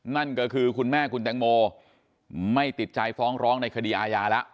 นั่นก็คือคุณแม่คุณแตงโมไม่ติดใจฟ้องร้องในคดีอาญาแล้ว